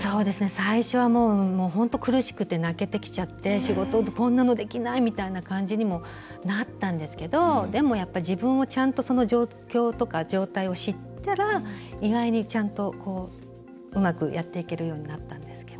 最初は、本当苦しくて泣けてきちゃって仕事、こんなのできないみたいな感じにもなったんですけどでも、やっぱり自分をちゃんと、その状況とか状態を知ったら意外にちゃんとうまくやっていけるようになったんですけど。